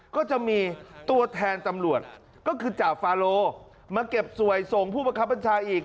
ก็จะมีตัวแทนตำรวจก็คือจ่าฟาโลมาเก็บสวยส่งผู้ประคับบัญชาอีก